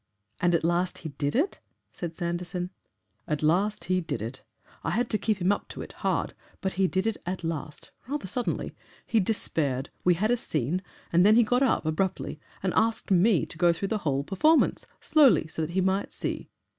"And at last he did it?" said Sanderson. "At last he did it. I had to keep him up to it hard, but he did it at last rather suddenly. He despaired, we had a scene, and then he got up abruptly and asked me to go through the whole performance, slowly, so that he might see.